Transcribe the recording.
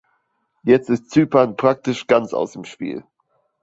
Jetzt ist Zypern praktisch ganz aus dem Spiel.